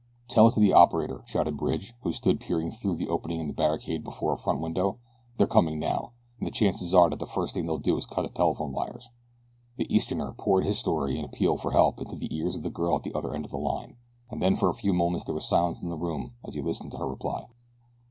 "Tell it to the operator," shouted Bridge who stood peering through an opening in the barricade before a front window; "they are coming now, and the chances are that the first thing they'll do is cut the telephone wires." The Easterner poured his story and appeal for help into the ears of the girl at the other end of the line, and then for a few moments there was silence in the room as he listened to her reply.